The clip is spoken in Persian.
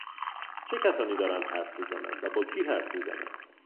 چه کسانی دارند حرف میزنند و با کی حرف میزنند؟